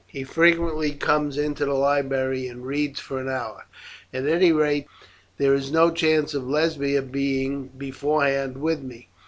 He frequently comes into the library and reads for an hour. At any rate there is no chance of Lesbia being beforehand with me.